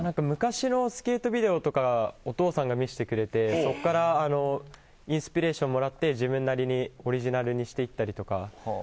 昔のスケートビデオとかお父さんが見せてくれてそこからインスピレーションをもらって自分なりにオリジナルにしていったりとか。